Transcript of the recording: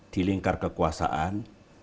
di lingkar kekuasaan